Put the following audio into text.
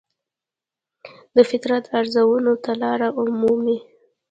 د فطرت رازونو ته لاره مومي.